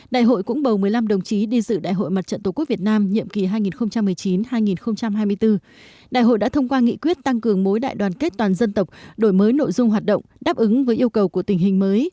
đại hội cũng bầu một mươi năm đồng chí đi dự đại hội mặt trận tổ quốc việt nam nhiệm kỳ hai nghìn một mươi chín hai nghìn hai mươi bốn đại hội đã thông qua nghị quyết tăng cường mối đại đoàn kết toàn dân tộc đổi mới nội dung hoạt động đáp ứng với yêu cầu của tình hình mới